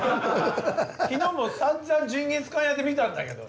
昨日もさんざんジンギスカン屋で見たんだけど。